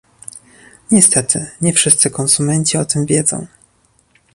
Niestety, nie wszyscy konsumenci o tym wiedzą